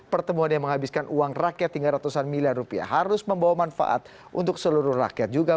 pertemuan yang menghabiskan uang rakyat hingga ratusan miliar rupiah harus membawa manfaat untuk seluruh rakyat juga